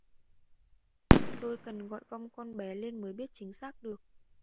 Tôi cần gọi vong con bé lên mới biết chính xác được